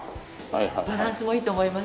バランスもいいと思います。